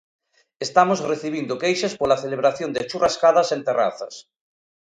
Estamos recibindo queixas pola celebración de churrascadas en terrazas.